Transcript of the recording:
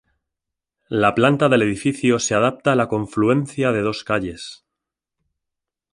La planta del edificio se adapta a la confluencia de dos calles.